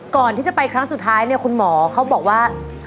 ก่อนที่จะไปครั้งสุดท้ายเนี่ยคุณหมอเขาบอกว่า